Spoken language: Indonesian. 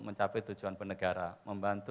mencapai tujuan penegara membantu